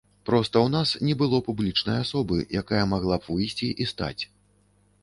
Проста ў нас не было публічнай асобы, якая магла б выйсці і стаць.